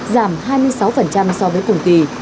giảm hai mươi sáu so với cùng kỳ